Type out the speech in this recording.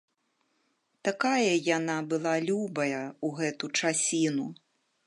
Такая яна была любая ў гэту часіну.